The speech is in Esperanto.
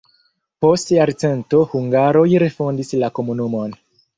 Post jarcento hungaroj refondis la komunumon.